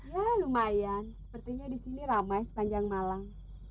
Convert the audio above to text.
ya lumayan sepertinya di sini ramai sepanjang malang